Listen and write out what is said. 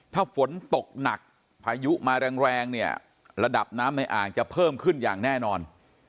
ถ้าฝนตกหนักพายุมาแรงเนี่ยระดับน้ำในอ่างจะเพิ่มขึ้นอย่างแน่นอน